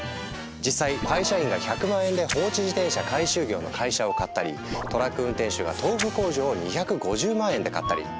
実際会社員が１００万円で放置自転車回収業の会社を買ったりトラック運転手が豆腐工場を２５０万円で買ったり。